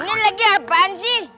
ini lagi apaan sih